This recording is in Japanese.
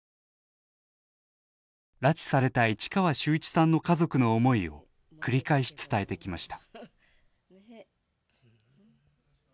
拉致された市川修一さんの家族の思いを繰り返し伝えてきました。